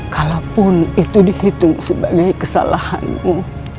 kalaupun itu dihitung sebagai kesalahanmu